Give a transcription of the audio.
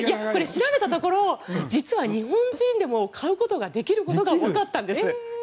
調べたところ、実は日本人でも買うことができることがわかったんです。